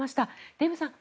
デーブさん